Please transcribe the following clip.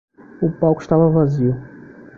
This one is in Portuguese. O palco estava vazio.